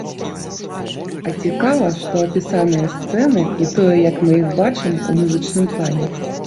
А цікава, што апісаныя сцэны і тое, як мы іх бачым ў музычным плане.